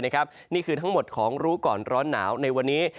นี่คือทั้งหมดของรู้ก่อนร้อนหนาวในวันนี้